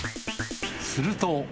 すると。